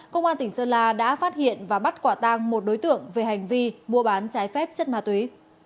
công an tỉnh sơn la đã phát hiện và bắt quả tang một đối tượng về hành vi mua bán trái phép chất ma túy